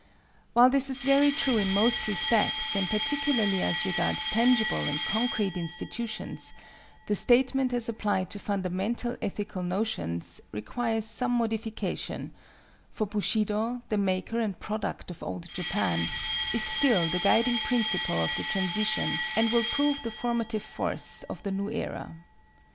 While this is very true in most respects, and particularly as regards tangible and concrete institutions, the statement, as applied to fundamental ethical notions, requires some modification; for Bushido, the maker and product of Old Japan, is still the guiding principle of the transition and will prove the formative force of the new era.